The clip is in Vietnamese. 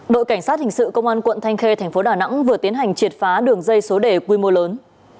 đội cảnh sát hình sự công an quận thanh khê tp đà nẵng vừa tiến hành triệt phá đường dây số đề quy mô lớn